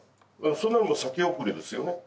そんなのも先送りですよね